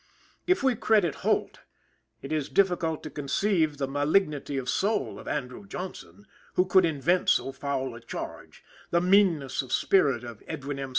If we credit Holt, it is difficult to conceive the malignity of soul of Andrew Johnson, who could invent so foul a charge, the meanness of spirit of Edwin M.